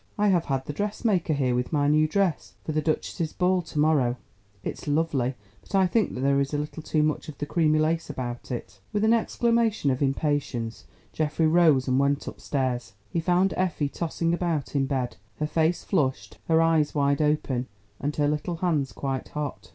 "I have had the dressmaker here with my new dress for the duchess's ball to morrow; it's lovely, but I think that there is a little too much of that creamy lace about it." With an exclamation of impatience, Geoffrey rose and went upstairs. He found Effie tossing about in bed, her face flushed, her eyes wide open, and her little hands quite hot.